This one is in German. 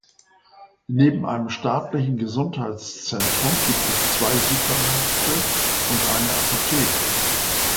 Neben einem staatlichen Gesundheitszentrum gibt es zwei Supermärkte und eine Apotheke.